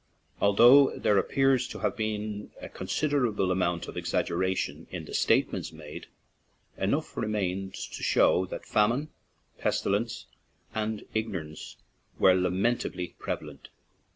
Although there appeared to have been a considerable amount of exaggeration in the statements made, enough remained to show that famine, pestilence, and igno rance were lamentably prevalent.